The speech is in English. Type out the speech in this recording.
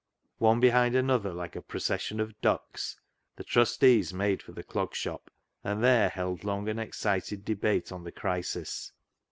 One behind another, like a procession of ducks, the Trustees made for the Clog Shop, and there held long and excited debate on the crisis.